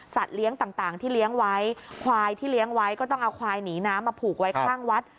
เลี้ยงต่างที่เลี้ยงไว้ควายที่เลี้ยงไว้ก็ต้องเอาควายหนีน้ำมาผูกไว้ข้างวัด